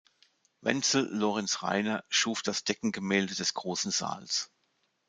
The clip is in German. Wenzel Lorenz Reiner schuf das Deckengemälde des großen Saals.